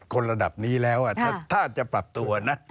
คนระดับนี้แล้วถ้าจะปรับตัวนะ